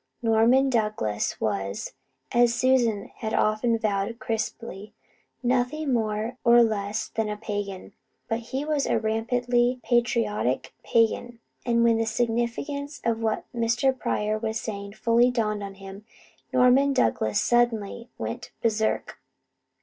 Norman Douglas was, as Susan had often vowed crisply, nothing more or less than a "pagan." But he was a rampantly patriotic pagan, and when the significance of what Mr. Pryor was saying fully dawned on him, Norman Douglas suddenly went berserk.